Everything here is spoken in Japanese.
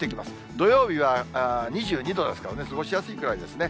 土曜日は２２度ですからね、過ごしやすいくらいですね。